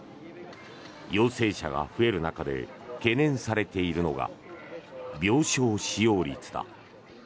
陽性者が増える中で懸念されているのが病床使用率だ。